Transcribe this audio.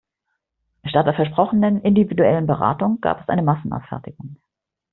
Statt der versprochenen individuellen Beratung gab es eine Massenabfertigung.